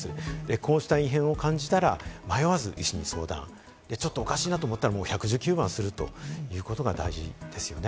こうした異変を感じたら、迷わず医師に相談、ちょっとおかしいなと思ったら、１１９番するということが大事ですよね。